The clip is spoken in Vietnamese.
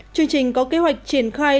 chương trình có kế hoạch triển khai